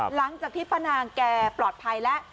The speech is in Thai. หลังจากที่ป้านางแกปลอดภัยแล้ว